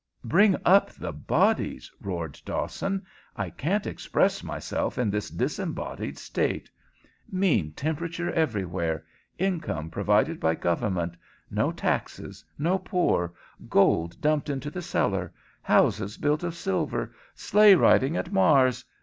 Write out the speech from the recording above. "Bring up the bodies!" roared Dawson. "I can't express myself in this disembodied state. Mean temperature everywhere; income provided by government; no taxes; no poor; gold dumped into the cellar; houses built of silver; sleigh riding at Mars.